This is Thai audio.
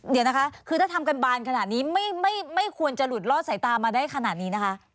เดี๋ยวนะคะคือถ้าทำกันบานขนาดนี้ไม่ควรจะหลุดลอดสายตามาได้ขนาดนี้นะคะ